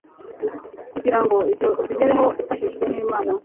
kugira ngo ibyo tubigereho dufashijwe nImana